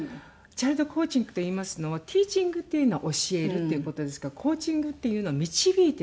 チャイルドコーチングといいますのは「ティーチング」っていうのは教えるっていう事ですが「コーチング」っていうのは導いていく。